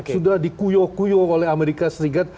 sudah dikuyok kuyok oleh amerika serikat